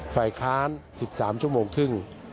ฝ่ายค้าน๑๓ชั่วโมงครึ่ง